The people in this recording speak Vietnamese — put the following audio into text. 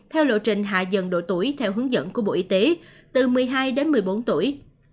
theo lộ trình hạ dần độ tuổi theo hướng dẫn của bộ y tế từ một mươi hai đến một mươi bốn tuổi